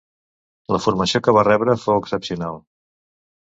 La formació que va rebre fou excepcional.